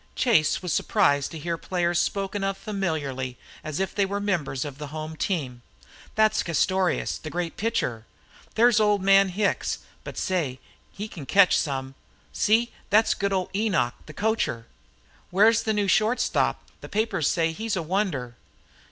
Chase was surprised to hear players spoken of familiarly, as if they were members of the home team. "That's Castorious, the great pitcher." "There's old man Hicks, but say! he can catch some." "See, that's good old Enoch, the coacher." "Where's the new short stop? The papers say he's a wonder."